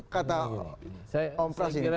kata om prasih